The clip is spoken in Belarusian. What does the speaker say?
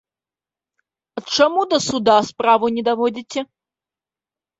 А чаму да суда справу не даводзіце?